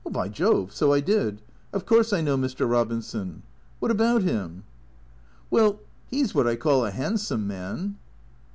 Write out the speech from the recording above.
" By Jove, so I did. Of course I know Mr. Eobinson. What about him ?"" Well — he^s what I call a handsome man."